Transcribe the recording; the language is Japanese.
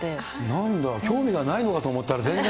なんだ、興味がないのかと思ったら、全然。